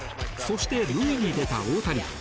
そして、塁に出た大谷。